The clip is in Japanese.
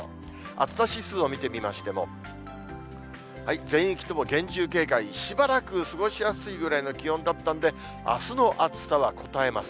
暑さ指数を見てみましても、全域とも厳重警戒、しばらく過ごしやすいぐらいの気温だったんで、あすの暑さはこたえます。